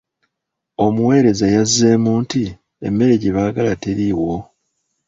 Omuweereza yazzeemu nti emmere gye baagala teriiwo.